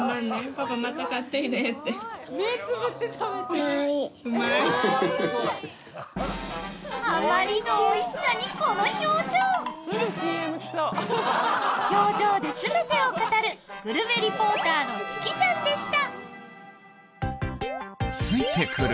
「パパまた買ってね」って・あまりのおいしさにこの表情表情で全てを語るグルメリポーターのききちゃんでした